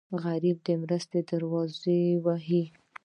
غریب د مرستې دروازه وهي